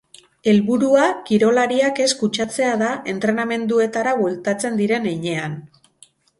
Helburua kirolariak ez kutsatzea da entrenamenduetara bueltatzen diren heinean.